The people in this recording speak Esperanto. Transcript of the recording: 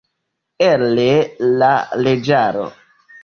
El la leĝaro.